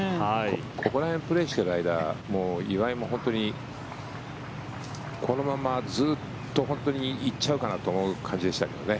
ここら辺プレーしている間岩井も本当にこのままずっと本当に行っちゃうかなと思う感じでしたけどね。